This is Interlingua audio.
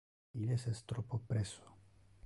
Illes es troppo presso.